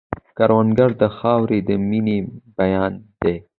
کروندګر د خاورې د مینې بیان دی